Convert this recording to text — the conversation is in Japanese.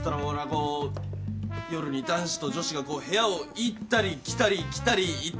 こう夜に男子と女子がこう部屋を行ったり来たり来たり行ったりとかよ